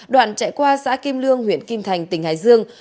đoạn chạy qua xã kim lương huyện kim thành tỉnh hải dương